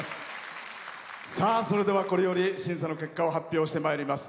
それでは、これより審査の結果を発表してまいります。